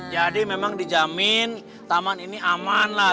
jadi memang dijamin taman ini aman lah